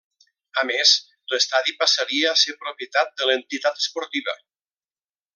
A més, l'estadi passaria a ser propietat de l'entitat esportiva.